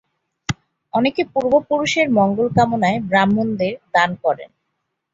অনেকে পূর্বপুরুষের মঙ্গল কামনায় ব্রাহ্মণদের দান করেন।